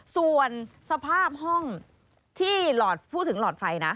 ส่วนสภาพห้องที่หลอดพูดถึงหลอดไฟนะ